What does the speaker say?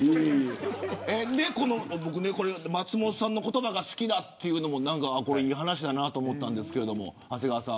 松本さんの言葉が好きだというのも、何かいい話だなと思ったんですけど、長谷川さん。